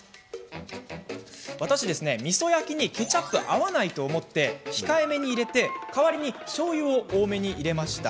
私は、みそ焼きにケチャップは合わないと思い、控えめに入れ代わりに、しょうゆを多めに入れました。